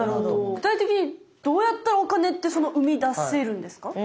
具体的にどうやったらお金ってうみだせるんですか？